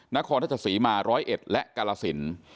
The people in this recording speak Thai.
นครทศสีมาร้อยเอ็ดและกาลสิน